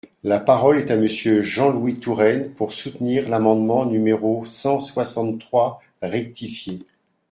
La parole est à Monsieur Jean-Louis Touraine, pour soutenir l’amendement numéro cent soixante-trois rectifié.